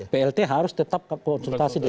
plt harus tetap konsultasi dengan